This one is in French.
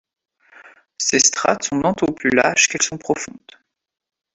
Ces strates sont d'autant plus lâches qu'elles sont profondes.